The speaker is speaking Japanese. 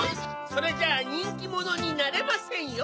それじゃあにんきものになれませんよ。